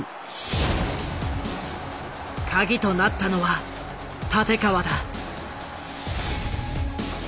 カギとなったのは立川だ。